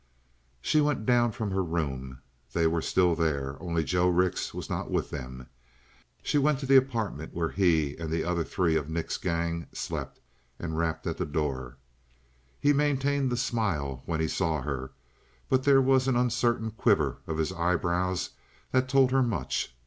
She went down from her room; they were there still, only Joe Rix was not with them. She went to the apartment where he and the other three of Nick's gang slept and rapped at the door. He maintained his smile when he saw her, but there was an uncertain quiver of his eyebrows that told her much.